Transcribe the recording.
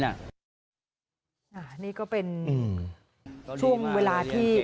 อันนี้ก็เป็นช่วงเวลาที่